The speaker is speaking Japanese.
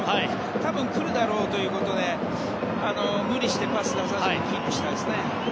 多分来るだろうということで無理してパスを出さずにキープしましたね。